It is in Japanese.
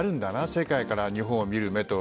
世界から日本を見ると。